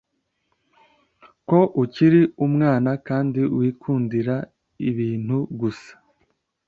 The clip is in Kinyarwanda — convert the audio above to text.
ko ukiri umwana kandi wikundira ibintu gusa